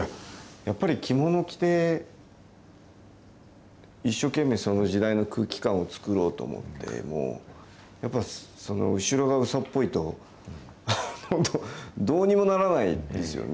やっぱり着物着て、一生懸命その時代の空気感を作ろうと思っても、やっぱ後ろがうそっぽいと、本当、どうにもならないですよね。